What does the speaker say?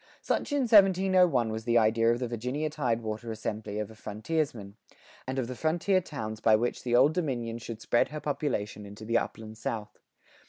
Such in 1701 was the idea of the Virginia tidewater assembly of a frontiersman, and of the frontier towns by which the Old Dominion should spread her population into the upland South.